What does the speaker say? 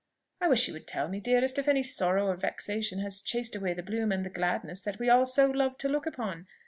"I wish you would tell me, dearest, if any sorrow or vexation has chased away the bloom and the gladness that we all so loved to look upon.